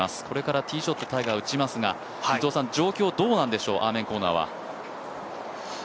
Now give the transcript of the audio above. これからティーショットタイガー打ちますがどうなんでしょうか。